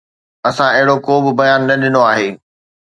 اسان اهڙو ڪو به بيان نه ڏنو آهي